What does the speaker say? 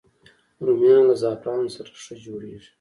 رومیان له زعفرانو سره ښه جوړېږي